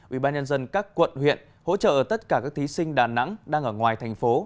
ubnd các quận huyện hỗ trợ tất cả các thí sinh đà nẵng đang ở ngoài thành phố